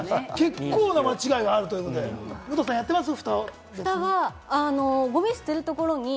けっこうな間違いがあるということで、武藤さんやってますか？